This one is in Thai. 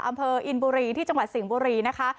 อำเภออินบุรีที่จังหวัดสิงห์บุรีนะคะ